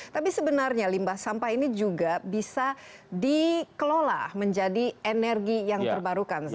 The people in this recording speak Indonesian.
tapi sebenarnya limbah sampah ini juga bisa dikelola menjadi energi yang terbarukan